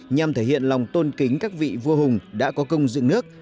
nhằm thể hiện lòng tôn kính các vị vua hùng đã có công dựng nước